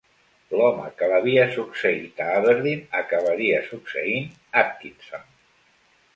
L'home que l'havia succeït a Aberdeen acabaria succeint Atkinson.